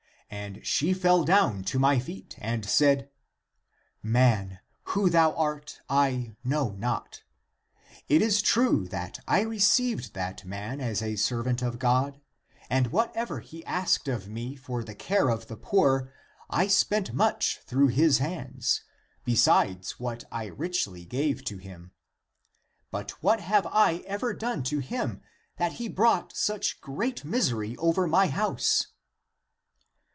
And she fell down to my feet and said, Man, who thou art, I know not. It is true that I received that man as a servant of God, and whatever he asked of me for the care of the poor I spent much through his hands, besides what I richly gave to him. But what have I ever done to him that he brought such great misery over my house?